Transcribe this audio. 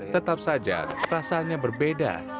tetap saja rasanya berbeda